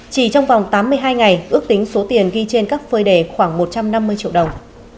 chỉ trong vòng tám mươi hai ngày ước tính số tiền ghi trên các phơi đề khoảng một trăm năm mươi triệu đồng